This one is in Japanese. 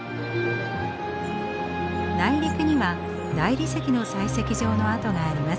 内陸には大理石の採石場の跡があります。